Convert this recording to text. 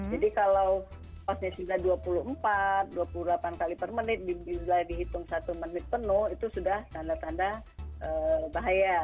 jadi kalau posisinya dua puluh empat dua puluh delapan kali per menit dihitung satu menit penuh itu sudah tanda tanda bahaya